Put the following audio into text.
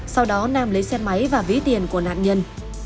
sau đó nam lấy xe máy và ví tiền của nạn nhân